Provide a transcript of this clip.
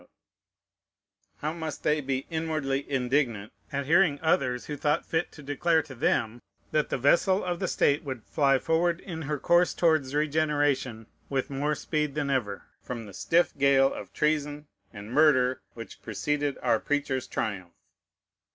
How must they be inwardly indignant at hearing others who thought fit to declare to them, "that the vessel of the state would fly forward in her course towards regeneration with more speed than ever," from the stiff gale of treason and murder which preceded our preacher's triumph!